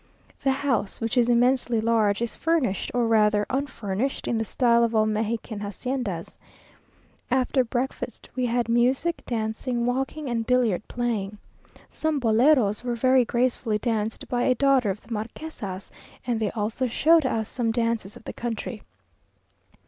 The house, which is immensely large, is furnished, or rather unfurnished, in the style of all Mexican haciendas. After breakfast, we had music, dancing, walking, and billiard playing. Some boleros were very gracefully danced by a daughter of the marquesa's, and they also showed us some dances of the country.